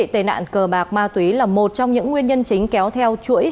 tề nạn cờ bạc ma túy là một trong những nguyên nhân chính kéo theo chuỗi hệ lụy